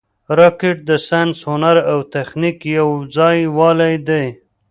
راکټ د ساینس، هنر او تخنیک یو ځای والې دی